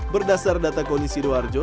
berdasar data kondisi sidoarjo